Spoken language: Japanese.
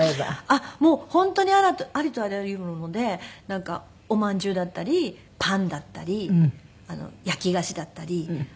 あっもう本当にありとあらゆるものでなんかおまんじゅうだったりパンだったり焼き菓子だったり。